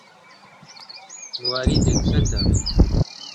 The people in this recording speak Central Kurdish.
موالیدت چەندە؟